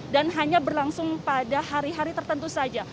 dan hanya berlangsung pada hari hari tertentu saja